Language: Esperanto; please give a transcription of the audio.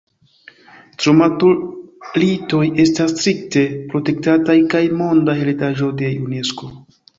Stromatolitoj estas strikte protektataj kaj Monda heredaĵo de Unesko.